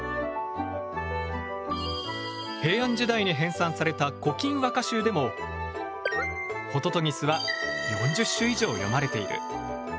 平安時代に編さんされた「古今和歌集」でもホトトギスは４０首以上詠まれている。